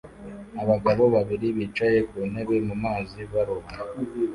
Abagabo babiri bicaye ku ntebe mu mazi baroba